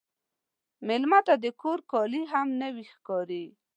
مېلمه ته د کور کالي هم نوی ښکاري.